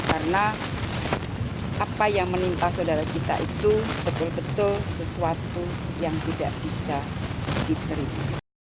karena apa yang menimpa saudara kita itu betul betul sesuatu yang tidak bisa diterima